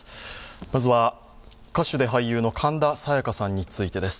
まずは、歌手で俳優の神田沙也加さんについてです。